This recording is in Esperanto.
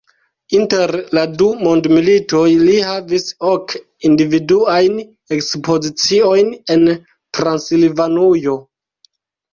Inter la du mondmilitoj li havis ok individuajn ekspoziciojn en Transilvanujo.